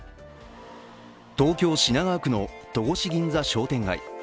東京・品川区の戸越銀座商店街。